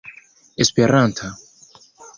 esperanta